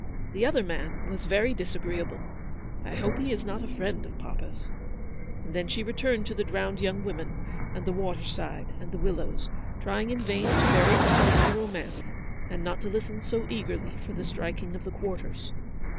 The other man was very dis agreeable. I hope he is not a friend of papa's." And then she returned to the drowned young VOL. I. I 114 women, and the water side, and the willows; trying in vain to bury herself in the romance, and not to listen so eagerly for the striking of the quarters.